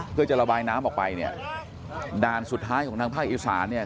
เพื่อจะระบายน้ำออกไปเนี่ยด่านสุดท้ายของทางภาคอีสานเนี่ย